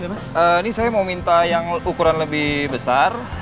mas ini saya mau minta yang ukuran lebih besar